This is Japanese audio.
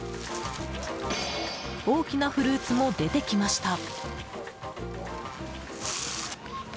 大きなフルーツも出てきました。